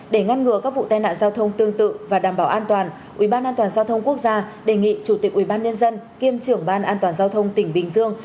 để ngăn ngừa các vụ tai nạn giao thông tương tự và đảm bảo an toàn ubnd quốc gia đề nghị chủ tịch ubnd kiêm trưởng ban an toàn giao thông tỉnh bình dương